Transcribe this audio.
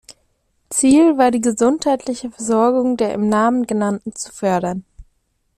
Ziel war die gesundheitliche Versorgung der im Namen genannten zu fördern.